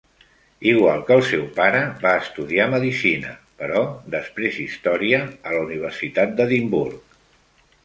Igual que el seu pare, va estudiar medicina, però després història, a la Universitat d'Edimburg.